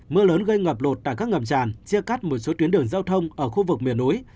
mưa lớn gây ngập lụt tại các ngầm tràn chia cắt một số tuyến đường giao thông ở khu vực miền núi